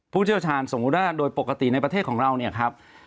ผู้เชี่ยวชาญสมมุติว่าโดยปกติในประเทศของเราเนี่ยครับ